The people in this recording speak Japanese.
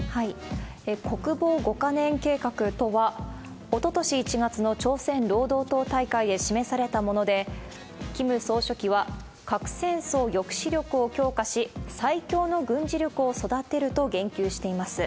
国防５か年計画とは、おととし１月の朝鮮労働党大会で示されたもので、キム総書記は、核戦争抑止力を強化し、最強の軍事力を育てると言及しています。